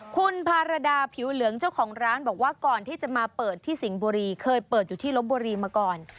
คุณภารดาผิวเหลืองเจ้าของร้านบอกว่าก่อนที่จะมาเปิดที่สิงห์บุรีเคยเปิดอยู่ที่ลบบุรีมาก่อน